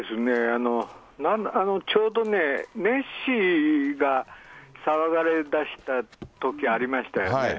ちょうどね、ネッシーが騒がれ出したとき、ありましたよね。